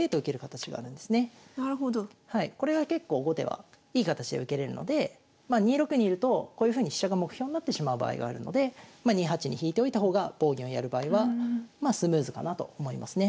これが結構後手はいい形で受けれるのでまあ２六にいるとこういうふうに飛車が目標になってしまう場合があるのでま２八に引いておいた方が棒銀をやる場合はまあスムーズかなと思いますね。